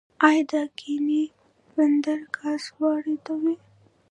آیا د اقینې بندر ګاز واردوي؟